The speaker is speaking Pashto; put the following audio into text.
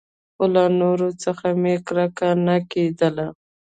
خو له نورو څخه مې کرکه نه کېدله.